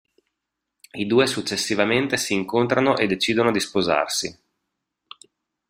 I due successivamente si incontrano e decidono di sposarsi.